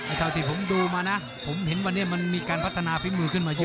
เท่าที่ผมดูมานะผมเห็นวันนี้มันมีการพัฒนาฝีมือขึ้นมาเยอะ